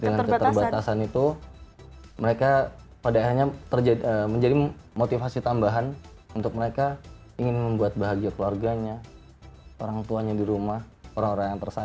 dengan keterbatasan itu mereka pada akhirnya menjadi motivasi tambahan untuk mereka ingin membuat bahagia keluarganya orang tuanya di rumah orang orang yang tersayang